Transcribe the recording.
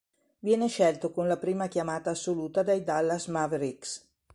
Viene scelto con la prima chiamata assoluta dai Dallas Mavericks.